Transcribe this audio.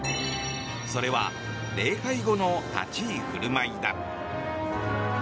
それは礼拝後の立ち居振る舞いだ。